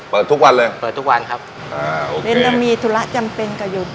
เปิดทุกวันเลยเปิดทุกวันครับอ้าวเม้นแล้วมีธุระจำเป็นก็หยุด